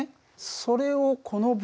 それをこのυ−